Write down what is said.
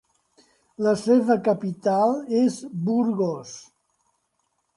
La seva capital és Burgos.